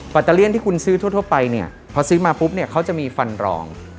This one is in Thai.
อตเตอเลี่ยนที่คุณซื้อทั่วไปเนี่ยพอซื้อมาปุ๊บเนี่ยเขาจะมีฟันรอง